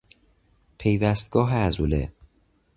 پیوستگاه عضله